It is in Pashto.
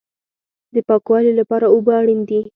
د پاکوالي لپاره اوبه اړین دي